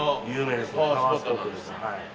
有名ですね。